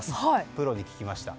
プロに聞きました。